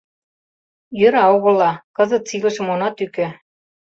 Йӧра огыла, кызытсе илышым она тӱкӧ.